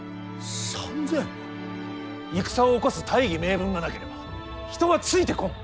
戦を起こす大義名分がなければ人はついてこん。